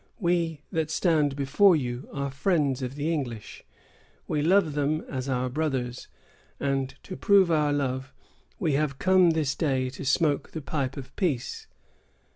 We that stand before you are friends of the English. We love them as our brothers; and, to prove our love, we have come this day to smoke the pipe of peace."